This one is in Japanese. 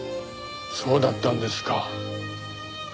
そうだったんですか。